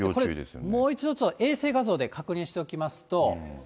もう一度衛星画像で確認しておきますと。